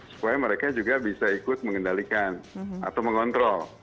supaya mereka juga bisa ikut mengendalikan atau mengontrol